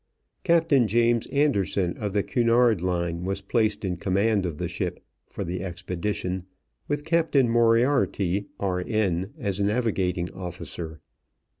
Capt. James Anderson of the Cunard Line was placed in command of the ship for the expedition, with Captain Moriarty, R.N., as navigating officer.